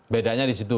bedanya di situ